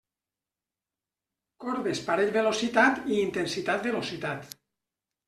Corbes parell velocitat i intensitat velocitat.